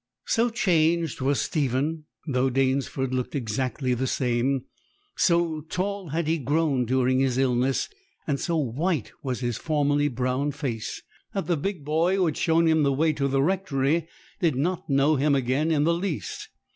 So changed was Stephen, though Danesford looked exactly the same, so tall had he grown during his illness, and so white was his formerly brown face, that the big boy who had shown him the way to the rectory did not know him again in the least.